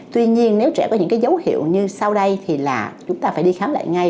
tuy nhiên nếu trẻ có những cái dấu hiệu như sau đây thì là chúng ta phải đi khám lại ngay